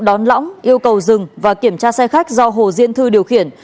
đón lõng yêu cầu dừng và kiểm tra xe khách do hồ diên thư điều khiển